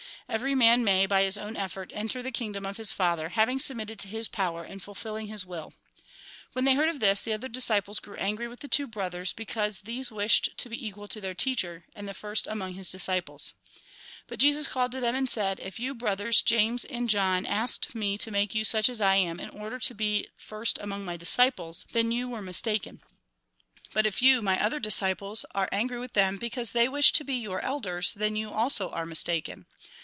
Every man may, by his own effort, enter the kingdom of his Father, having submitted to His power, and fulfil ling His will." When they heard of this, the other disciples grew angry with the two brothers, because these wished to be equal to their teacher, and the first among his disciples. But Jesus called them, and said :" If you brothers, James and John, asked me to make you such as I am in order to be first among my disciples, then you were mistaken ; but if you, my other disciples, are angry with them because they wish to be your elders, then you also are mistaken.